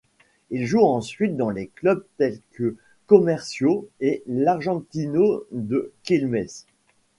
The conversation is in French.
Il joue ensuite dans des clubs tels que Comercio et l'Argentino de Quilmes.